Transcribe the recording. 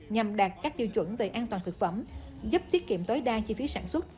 nhằm đạt các tiêu chuẩn về an toàn thực phẩm giúp tiết kiệm tối đa chi phí sản xuất